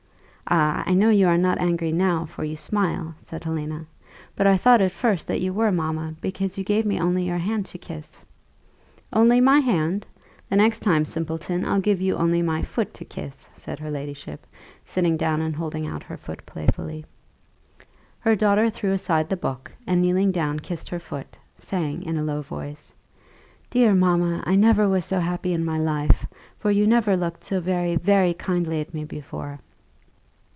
"Ah, I know you are not angry now, for you smile," said Helena; "but I thought at first that you were, mamma, because you gave me only your hand to kiss." "Only my hand! The next time, simpleton, I'll give you only my foot to kiss," said her ladyship, sitting down, and holding out her foot playfully. Her daughter threw aside the book, and kneeling down kissed her foot, saying, in a low voice, "Dear mamma, I never was so happy in my life; for you never looked so very, very kindly at me before."